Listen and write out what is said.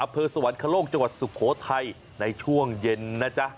สวรรคโลกจังหวัดสุโขทัยในช่วงเย็นนะจ๊ะ